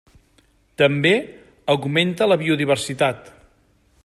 També augmenta la biodiversitat.